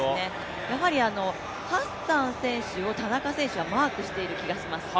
やはりハッサン選手を田中選手はマークしている気がします。